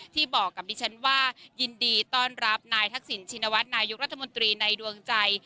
บอกกับดิฉันว่ายินดีต้อนรับนายทักษิณชินวัฒนนายกรัฐมนตรีในดวงใจ